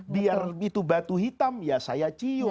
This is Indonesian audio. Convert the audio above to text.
biar itu batu hitam ya saya cium